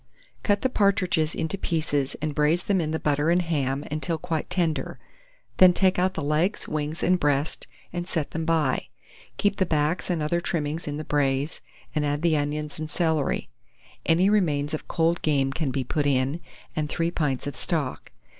Cut the partridges into pieces, and braise them in the butter and ham until quite tender; then take out the legs, wings, and breast, and set them by. Keep the backs and other trimmings in the braise, and add the onions and celery; any remains of cold game can be put in, and 3 pints of stock.